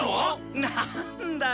なんだよ！